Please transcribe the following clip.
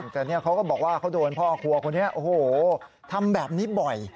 แต่นี่เขาก็บอกว่าเขาโดนพ่อครัวคนนี้โอ้โหทำแบบนี้บ่อย